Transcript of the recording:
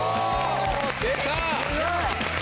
出た！